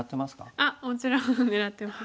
あっもちろん狙ってます。